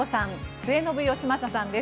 末延吉正さんです。